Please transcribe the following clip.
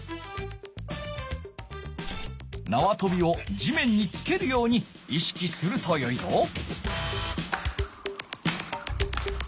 なわとびを地面につけるようにいしきするとよいぞ。